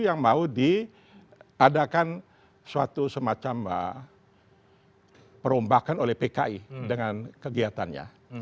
yang mau diadakan suatu semacam perombakan oleh pki dengan kegiatannya